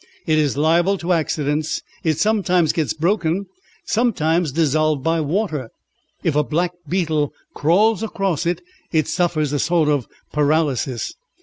It is liable to accidents. It sometimes gets broken, sometimes dissolved by water. If a blackbeetle crawls across it it suffers a sort of paralysis.